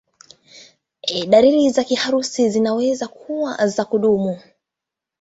Dalili za kiharusi zinaweza kuwa za kudumu.